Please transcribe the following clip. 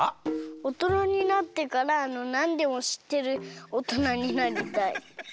おとなになってからなんでもしってるおとなになりたい。